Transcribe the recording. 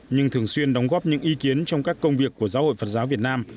nhưng thường xuyên đóng góp những ý kiến trong các công việc của giáo hội phật giáo việt nam